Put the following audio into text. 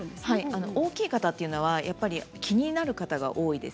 大きい方は気になる方が多いです。